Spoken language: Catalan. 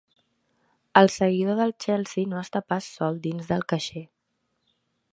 El seguidor del Chelsea no està pas sol dins del caixer.